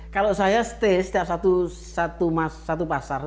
kalau saya stay setiap satu pasar